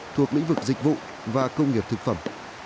thuộc lĩnh vực dịch vụ và công nghiệp thực phẩm